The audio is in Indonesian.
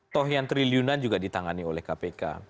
toh yang triliunan juga ditangani oleh kpk